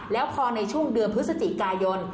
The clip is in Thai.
แล้วพอในช่วงเดือนพฤศจิกายน